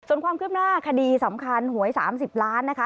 ส่วนความขึ้นมาคดีสำคัญหวยสามสิบล้านนะคะ